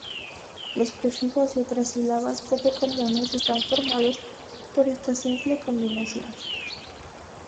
Los prefijos y otras sílabas poco comunes están formados por esta simple combinación.